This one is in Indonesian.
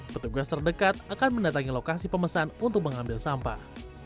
petugas terdekat akan mendatangi lokasi pemesan untuk mengambil sampah